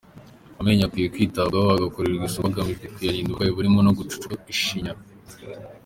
Amenyo akwiye kwitabwaho agakorerwa isuku, hagamijwe kuyarinda uburwayi burimo no gucukuka ishinya.